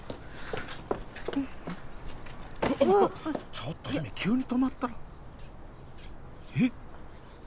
うわっちょっと姫急に止まったらえっ？